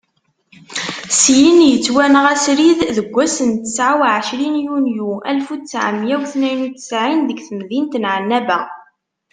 Syin, yettwanɣa srid deg wass n tesɛa uɛecrin yunyu alef u ttɛemya u tniyen u ttsɛin deg temdint n Ɛennaba.